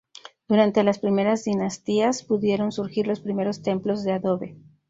Durante las primeras dinastías pudieron surgir los primeros templos de adobe.